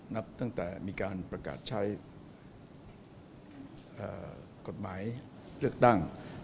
นับตั้งแต่มีการประกาศใช้กฎหมายเลือกตั้ง